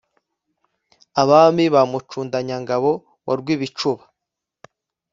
abami ba mucundanya-ngabo wa rwibicuba,